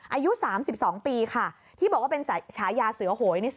อายุ๓๒ปีค่ะที่บอกว่าเป็นฉายาเสือโหยนี่